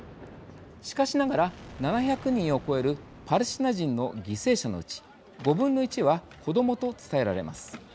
しかしながら７００人を超えるパレスチナ人の犠牲者のうち５分の１は子どもと伝えられます。